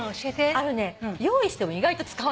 あのね用意しても意外と使わない。